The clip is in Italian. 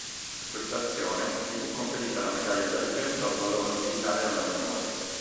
Per questa azione gli fu conferita la Medaglia d'argento al valor militare alla memoria.